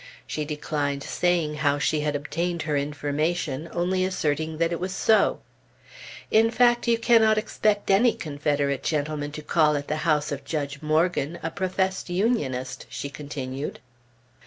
She declined saying how she had obtained her information, only asserting that it was so. "In fact, you cannot expect any Confederate gentleman to call at the house of Judge Morgan, a professed Unionist," she continued.